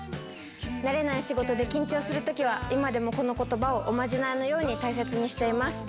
慣れない仕事で緊張するときは、今でもこのことばを、おまじないのように大切にしています。